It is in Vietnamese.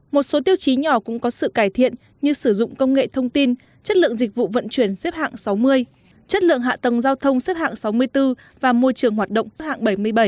một số tiêu chí nhỏ cũng có sự cải thiện như sử dụng công nghệ thông tin chất lượng dịch vụ vận chuyển xếp hạng sáu mươi chất lượng hạ tầng giao thông xếp hạng sáu mươi bốn và môi trường hoạt động xếp hạng bảy mươi bảy